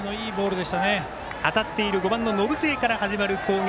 当たっている５番の延末から始まる攻撃。